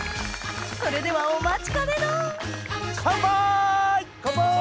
それではお待ちかねのカンパイ！